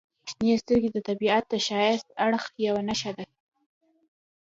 • شنې سترګې د طبیعت د ښایسته اړخ یوه نښه ده.